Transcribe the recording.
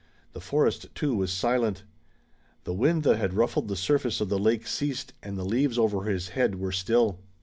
The forest, too, was silent. The wind that had ruffled the surface of the lake ceased, and the leaves over his head were still.